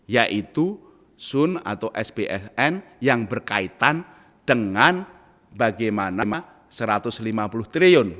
yaitu sun atau spsn yang berkaitan dengan bagaimana rp satu ratus lima puluh triliun